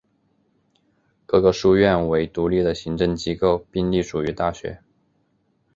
各个书院为独立的行政机构并隶属于大学。